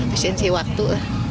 bisain sih waktu